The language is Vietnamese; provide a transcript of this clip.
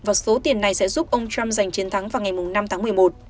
và số tiền này sẽ giúp ông trump giành chiến thắng vào ngày năm tháng một mươi một